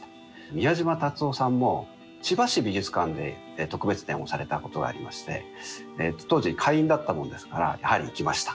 宮島達男さんも千葉市美術館で特別展をされたことがありまして当時会員だったもんですからやはり行きました。